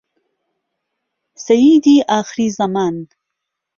سهەییدی ئاخری زهمان